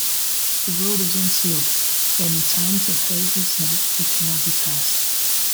The road is unsealed, and in times of heavy snow it cannot be passed.